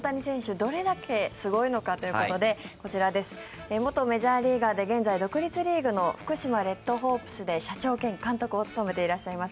どれだけすごいのかということでこちら、元メジャーリーガーで現在、独立リーグの福島レッドホープスで社長兼監督を務めていらっしゃいます